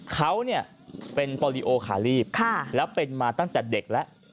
เขาเนี่ยเป็นปอลิโอคารีฟแล้วเป็นมาตั้งแต่เด็กแล้ว